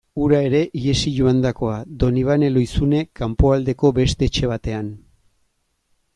Hura ere ihesi joandakoa, Donibane Lohizune kanpoaldeko beste etxe batean...